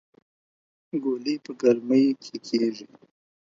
ګلۍ په ګرمۍ کې کيږي